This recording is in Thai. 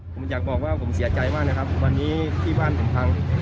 ผมอยากบอกว่าผมเสียใจมากนะครับวันนี้ที่บ้านผมพัง